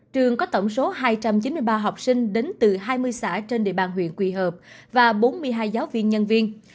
trường có tổng số hai trăm chín mươi ba học sinh đến từ hai mươi xã trên địa bàn huyện quỳ hợp và bốn mươi hai giáo viên nhân viên